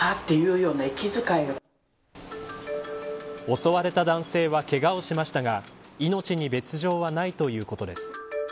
襲われた男性はけがをしましたが命に別条はないということです。